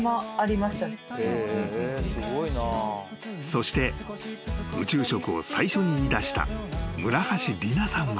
［そして宇宙食を最初に言いだした村橋里菜さんは］